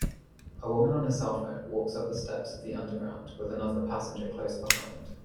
A woman on a cellphone walks up the steps of the underground with another passenger close behind.